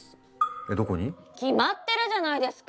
えどこに？決まってるじゃないですか！